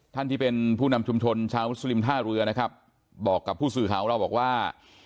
ที่เป็นผู้นำชุมชนชาวมุสลิมท่าเรือนะครับบอกกับผู้สื่อข่าวของเราบอกว่า